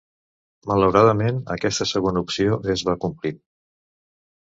Malauradament, aquesta segona opció es va complint.